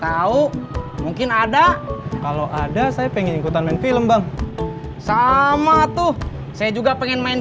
tahu mungkin ada kalau ada saya pengen ikutan main film bang sama tuh saya juga pengen main